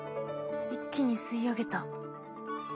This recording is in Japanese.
一気に吸い上げた。